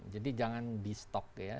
jadi jangan di stok ya